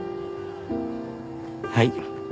はい。